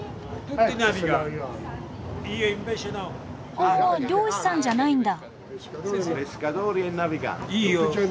あ漁師さんじゃないんだ。